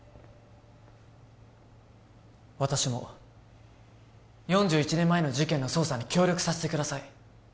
私も４１年前の事件の捜査に協力させてください